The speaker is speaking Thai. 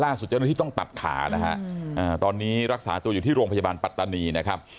เจ้าหน้าที่ต้องตัดขานะฮะตอนนี้รักษาตัวอยู่ที่โรงพยาบาลปัตตานีนะครับ